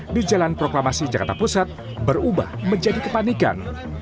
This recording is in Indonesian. di jalan proklamasi jakarta pusat berubah menjadi kepanikan